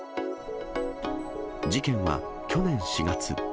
事件は、去年４月。